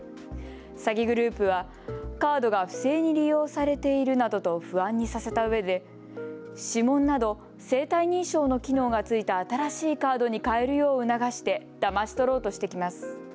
詐欺グループはカードが不正に利用されているなどと不安にさせたうえで指紋など生体認証の機能が付いた新しいカードに変えるよう促してだまし取ろうとしてきます。